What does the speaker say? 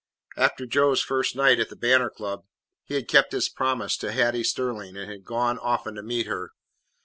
After Joe's first night at the Banner Club he had kept his promise to Hattie Sterling and had gone often to meet her.